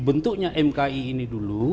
bentuknya mki ini dulu